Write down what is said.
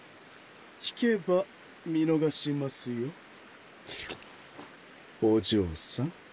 退けば見逃しますよお嬢さん。